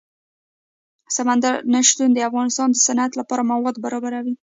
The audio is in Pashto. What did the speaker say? سمندر نه شتون د افغانستان د صنعت لپاره مواد برابروي.